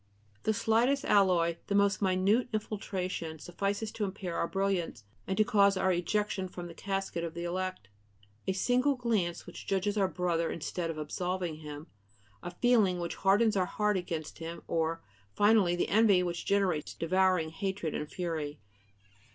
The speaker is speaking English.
The slightest alloy, the most minute infiltration, suffices to impair our brilliance and to cause our ejection from the casket of the elect: a single glance which judges our brother instead of absolving him, a feeling which hardens our heart against him, or, finally, the envy which generates devouring hatred and fury.